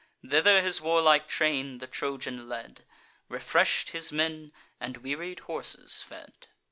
Thither his warlike train the Trojan led, Refresh'd his men, and wearied horses fed.